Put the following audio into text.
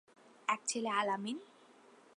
এক ছেলে আল-আমিন।